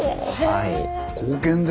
はい。